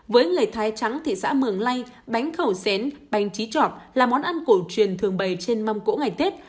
với lời thái trắng thị xã mường lai bánh khẩu xén bánh trí trọc là món ăn cổ truyền thường bày trên mâm cỗ ngày tết